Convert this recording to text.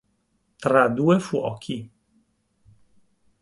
Tra due fuochi